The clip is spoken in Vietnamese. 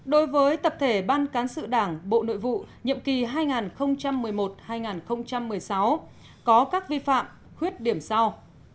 đối với tập thể ban cán sự đảng bộ nội vụ nhiệm kỳ hai nghìn một mươi một hai nghìn một mươi sáu có các vi phạm khuyết điểm sau